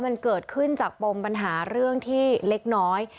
มันเกิดขึ้นจากปมปัญหาเรื่องที่เล็กน้อย